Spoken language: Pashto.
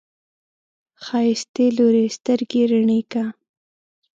ښايستې لورې، سترګې رڼې که!